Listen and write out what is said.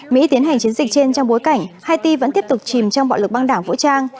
mỹ tiến hành chiến dịch trên trong bối cảnh haiti vẫn tiếp tục chìm trong bạo lực băng đảng vũ trang